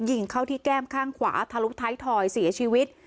ยิงเข้าที่แก้มข้างขวาทะลุท้ายถอยเสียชีวิต